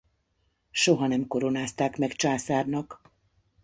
Soha nem koronázták meg császárnak.